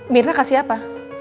mirna kasih apa